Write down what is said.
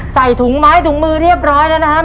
ใส่ถุงไม้ถุงมือเรียบร้อยแล้วนะครับ